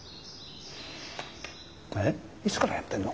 えっいつからやってんの？